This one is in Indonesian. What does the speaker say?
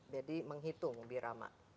jadi menghitung birama